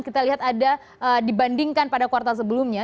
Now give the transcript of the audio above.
kita lihat ada dibandingkan pada kuartal sebelumnya